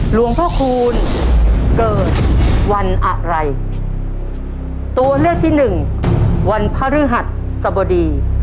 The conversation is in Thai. หลวงพ่อคูณเกิดวันอะไร